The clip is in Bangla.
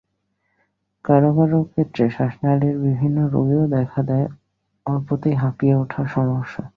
কারও কারও ক্ষেত্রে শ্বাসনালির বিভিন্ন রোগেও দেখা দেয় অল্পতেই হাঁপিয়ে ওঠার সমস্যা।